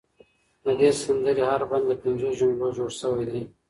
د دې سندرې هر بند له پنځو جملو جوړ شوی دی.